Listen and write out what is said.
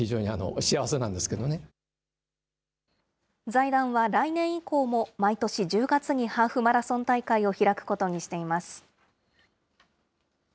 財団は来年以降も、毎年１０月にハーフマラソン大会を開くことにしています。